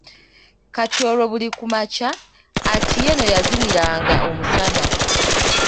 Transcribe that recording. Kati olwo buli kumakya, Atieno yazinira nga omusana.